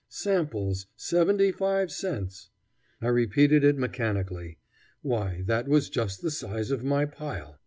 Samples seventy five cents! I repeated it mechanically. Why, that was just the size of my pile.